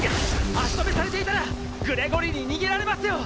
足止めされていたらグレゴリーに逃げられますよ！